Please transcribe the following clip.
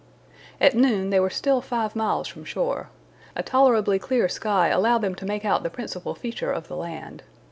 At noon they were still five miles from shore. A tolerably clear sky allowed them to make out the principal features of the land.